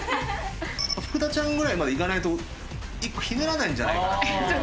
福田ちゃんぐらいまでいかないと１個ひねらないんじゃないかなっていう。